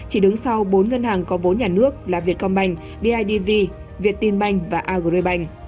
chỉ đứng sau bốn ngân hàng có bốn nhà nước là việt công bành bidv việt tin bành và agribank